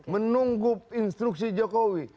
menunggu instruksi jokowi